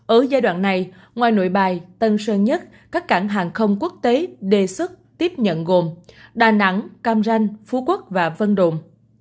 ở giai đoạn này ngoài nội bài tân sơn nhất các cảng hàng không quốc tế đề xuất tiếp nhận gồm đà nẵng cam ranh phú quốc và vân đồn